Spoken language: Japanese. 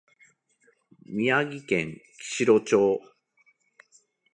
宮崎県木城町